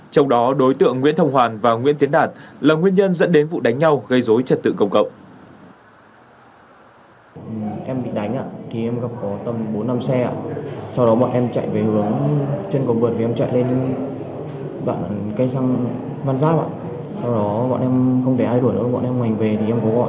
trong đó đối tượng nguyễn thông hoàn và nguyễn tiến đạt là nguyên nhân dẫn đến vụ đánh nhau gây dối trả tự công cộng